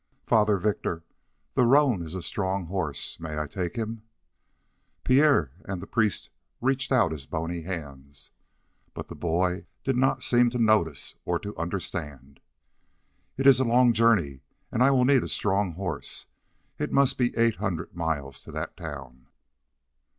"Father Victor, the roan is a strong horse. May I take him?" "Pierre!" and the priest reached out his bony hands. But the boy did not seem to notice or to understand. "It is a long journey, and I will need a strong horse. It must be eight hundred miles to that town."